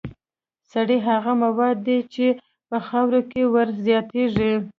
سرې هغه مواد دي چې په خاوره کې ور زیاتیږي.